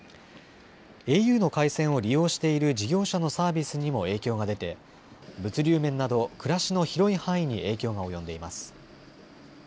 ａｕの回線を利用している事業者のサービスにも影響が出て物流面など暮らしの広い範囲に影響が及んでいます。